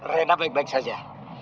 rena baik baik saja